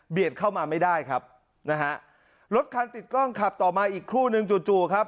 เข้ามาไม่ได้ครับนะฮะรถคันติดกล้องขับต่อมาอีกครู่นึงจู่จู่ครับ